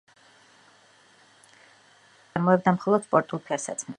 მათი კომპანია აწარმოებდა მხოლოდ სპორტულ ფეხსაცმელს.